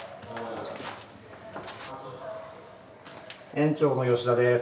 園長の吉田です。